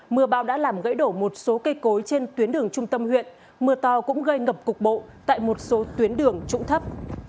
mưa bão đã làm gãy đổ một số cây cối trên tuyến đường trung tâm huyện mưa to cũng gây ngập cục bộ tại một số tuyến đường trụng thấp